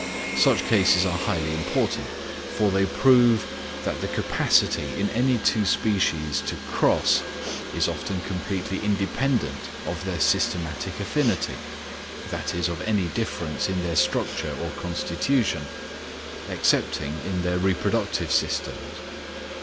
Such cases are highly important, for they prove that the capacity in any two species to cross is often completely independent of their systematic affinity, that is of any difference in their structure or constitution, excepting in their reproductive systems.